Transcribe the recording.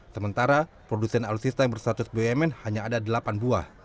sementara produsen alutsista yang berstatus bumn hanya ada delapan buah